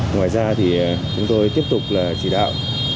ngoài ra chúng tôi tiếp tục chỉ đạo